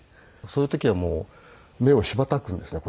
そういう時はもう目をしばたくんですね